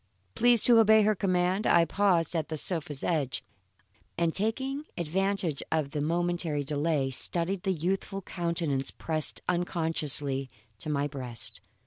Pleased to obey her command, I paused at the sofa's edge, and taking advantage of the momentary delay, studied the youthful countenance pressed unconsciously to my breast.